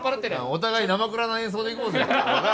お互いなまくらな演奏でいこうぜ。